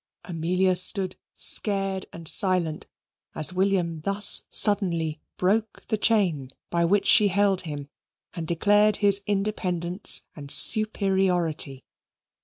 Amelia stood scared and silent as William thus suddenly broke the chain by which she held him and declared his independence and superiority.